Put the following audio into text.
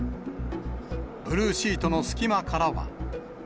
ブルーシートの隙間からは。